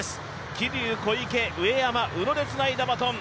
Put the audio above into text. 桐生、小池、上山、宇野でつないだバトン。